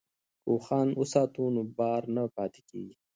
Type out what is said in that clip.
که اوښان وساتو نو بار نه پاتې کیږي.